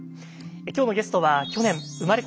今日のゲストは去年生まれ